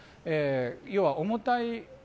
要は重たい